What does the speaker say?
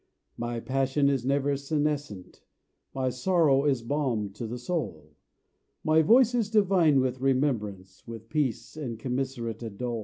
My passion is never senescent, My sorrow is balm to the soul, My voice is divine with remembrance, With peace and commiserate dole.